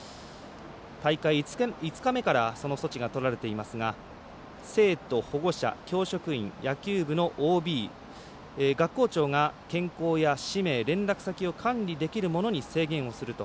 大会５日目からその措置がとられていますが生徒、保護者、教職員野球部のＯＢ学校長が健康や氏名連絡先を管理できる者に制限すると。